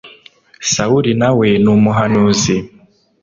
sawuli na we ni umuhanuzi